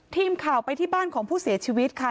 ทีมข่าวไปที่บ้านของผู้เสียชีวิตค่ะ